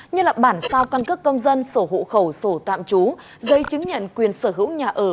như bản sao căn cước công dân sổ hộ khẩu sổ tạm trú giấy chứng nhận quyền sở hữu nhà ở